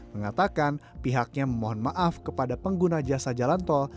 mengatakan pihaknya memohon maaf kepada pengguna jasa jalan tol